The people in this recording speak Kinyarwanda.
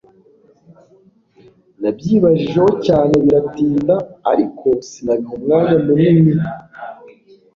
nabyibajijeho cyane biratinda ariko sinabiha umwanya munini